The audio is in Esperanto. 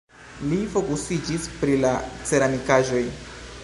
Li fokusiĝis pri la ceramikaĵoj.